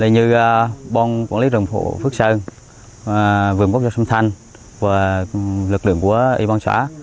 như quản lý rừng phụ phước sơn vườn quốc gia xuân thanh và lực lượng của y ban xã